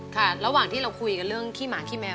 ระหว่างที่เราคุยกันเรื่องขี้หมาขี้แมว